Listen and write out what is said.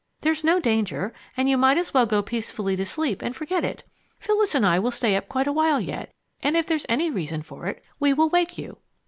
There's no danger, and you might as well go peacefully to sleep and forget it. Phyllis and I will stay up quite a while yet, and if there's any reason for it, we will wake you."